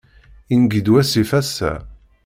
Ingi-d wasif ass-a.